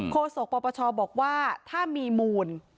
โศกปปชบอกว่าถ้ามีมูล